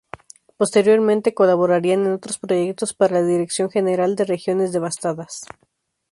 Posteriormente colaborarían en otros proyectos para la Dirección General de Regiones Devastadas.